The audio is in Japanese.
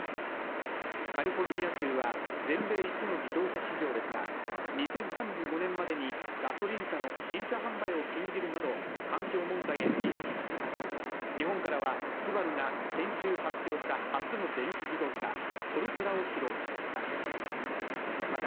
カリフォルニア州は全米一の自動車市場ですが２０３５年までにガソリン車の新車販売を禁じるなど環境問題への意識が高く、日本からはＳＵＢＡＲＵが先週発表した初の電気自動車、ソルテラを披露しました。